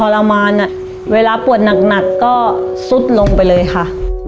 พอปวดเขาทรมานเวลาปวดหนักก็สุดลงไปเลยค่ะ